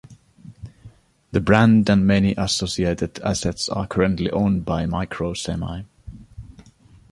The brand and many associated assets are currently owned by Microsemi.